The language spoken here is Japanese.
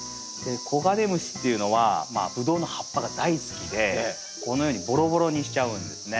コガネムシっていうのはブドウの葉っぱが大好きでこのようにボロボロにしちゃうんですね。